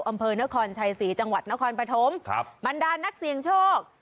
อำเภอนครชัยศรีจังหวัดนครปฐมครับบรรดานักเสี่ยงโชค